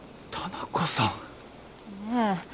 ねえ？